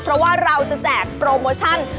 เพราะว่าเราจะแจกโปรโมชั่น